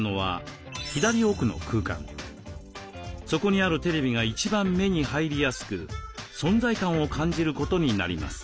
そこにあるテレビが一番目に入りやすく存在感を感じることになります。